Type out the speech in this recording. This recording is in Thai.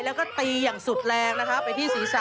แล้วก็ตีอย่างสุดแรงนะคะไปที่ศีรษะ